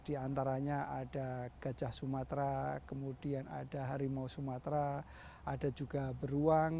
di antaranya ada gajah sumatera kemudian ada harimau sumatera ada juga beruang